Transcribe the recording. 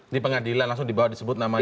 di pengadilan langsung dibawa disebut namanya